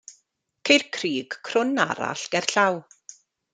Ceir crug crwn arall gerllaw.